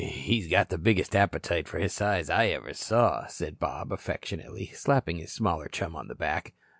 "He's got the biggest appetite for his size I ever saw," said Bob, affectionately, slapping his smaller chum on the back.